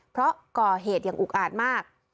เพราะก่อเหตุอย่างอุกอาจมาก